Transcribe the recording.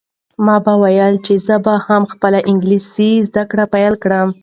ما به ویل چې زه به هم خپله انګلیسي زده کړه پیل کړم.